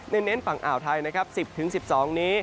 ในเน้นฝั่งอ่าวไทย๑๐๑๒นี้